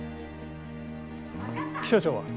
気象庁は？